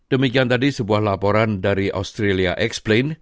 demikian tadi sebuah laporan dari australia explained